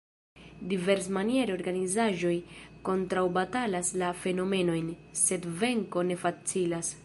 Diversmaniere organizaĵoj kontraŭbatalas la fenomenojn, sed venko ne facilas.